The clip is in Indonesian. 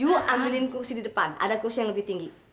yuk ambilin kursi di depan ada kursi yang lebih tinggi